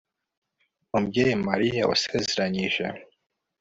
mubyeyi mariya, wasezeranyije